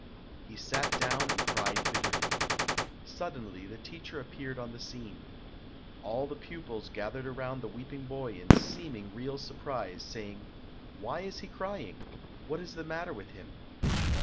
He sat down and cried bitterly. Suddenly, the teacher appeared on the scene. All the pupils gathered around the weeping boy in seeming real surprise, saying, "Why is he crying; what is the matter with him?"